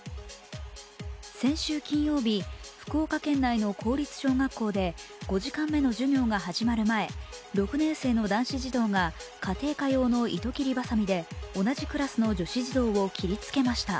先週金曜日、福岡県内の公立小学校で５時間目の授業が始まる前、６年生の男子児童が家庭科用の糸切りばさみで同じクラスの女子児童を切りつけました。